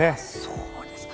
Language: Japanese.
そうですか。